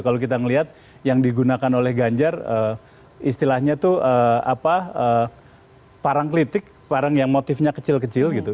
kalau kita melihat yang digunakan oleh ganjar istilahnya itu parang klitik parang yang motifnya kecil kecil gitu